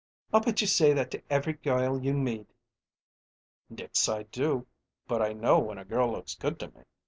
"I'll bet you say that to every girl you meet." "Nix I do; but I know when a girl looks good to me."